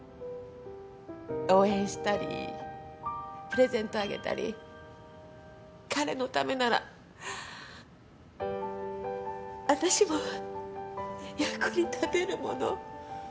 応援したりプレゼントあげたり彼のためならあたしも役に立てるもの。